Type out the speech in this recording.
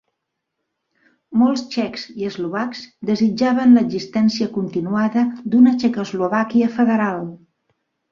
Molts txecs i eslovacs desitjaven l'existència continuada d'una Txecoslovàquia federal.